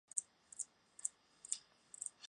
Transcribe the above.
翰劳还有一个名为亚历克斯的哥哥。